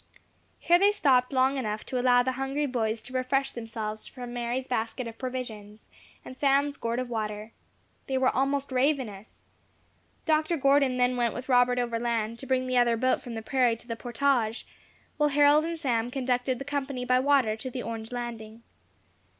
Here they stopped long enough to allow the hungry boys to refresh themselves from Mary's basket of provisions, and Sam's gourd of water. They were almost ravenous. Dr. Gordon then went with Robert overland, to bring the other boat from the prairie to the portage, while Harold and Sam conducted the company by water to the orange landing.